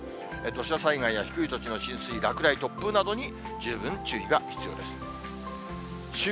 土砂災害や低い土地の浸水、落雷、突風などに十分注意が必要です。